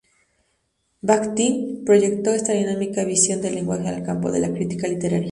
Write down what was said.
Bajtín proyectó esta dinámica visión del lenguaje al campo de la crítica literaria.